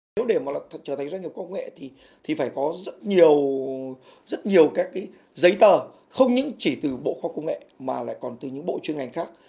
nếu để trở thành doanh nghiệp có công nghệ thì phải có rất nhiều giấy tờ không chỉ từ bộ khoa công nghệ mà còn từ những bộ chuyên ngành khác